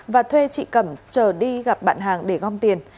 và thuê chị cẩm trở đi gặp bạn hàng để gom tiền